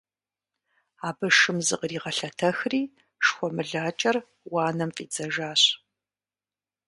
Абы шым зыкъригъэлъэтэхри шхуэмылакӀэр уанэм фӀидзэжащ.